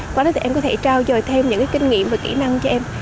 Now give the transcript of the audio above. qua đó tụi em có thể trao dồi thêm những kinh nghiệm và kỹ năng cho em